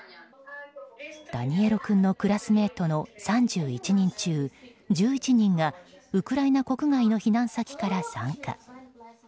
ダニエロ君のクラスメートの３１人中１１人がウクライナ国外の避難先から参加。